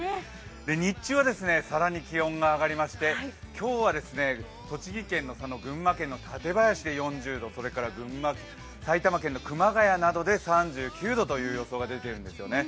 日中は更に気温が上がりまして、今日は栃木県の佐野、群馬県の館林で４０度、それから埼玉県熊谷などで３９度という予想が出てるんです。